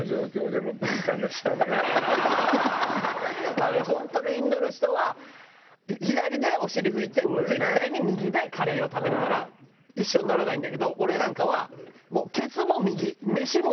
あのね本当のインドの人は左でお尻拭いて絶対に右でカレーを食べるから一緒にならないんだけど俺なんかはもう。